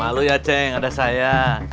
lalu ya ceng ada saya